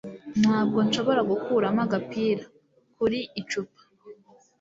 Ntabwo nshobora gukuramo agapira kuri icupa